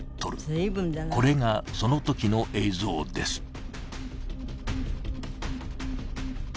これがその時の映像です